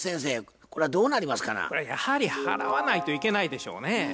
これはやはり払わないといけないでしょうね。